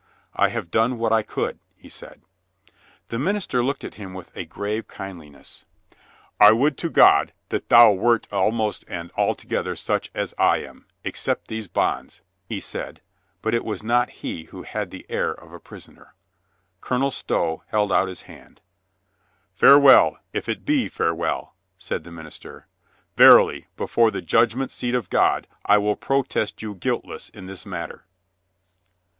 "I have done what I could," he said. The minister looked at him with a grave kindli ness. "I would to God that thou wert almost and altogether such as I am, except these bonds," he 300 COLONEL GREATHEART said. But it was not he wiio had the air of a pris oner. Colonel Stow held out his hand. "Farewell, if it be farewell," said the minister. "Verily, before the judgment seat of God, I will protest you guiltless in this matter."